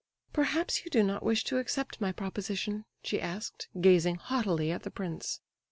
"Perhaps you do not wish to accept my proposition?" she asked, gazing haughtily at the prince.